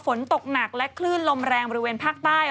ฝนตกหนักและคลื่นลมแรงบริเวณภาคใต้